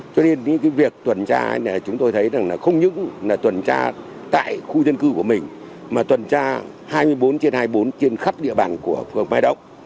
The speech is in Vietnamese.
cho nên những việc tuần tra chúng tôi thấy không những tuần tra tại khu dân cư của mình mà tuần tra hai mươi bốn trên hai mươi bốn trên khắp địa bàn của phường mai đông